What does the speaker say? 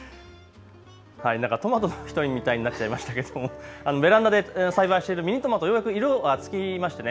トマトの人みたいになっちゃいましたけども、ベランダで栽培しているミニトマト、ようやく色がつきました。